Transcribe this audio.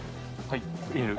入れる。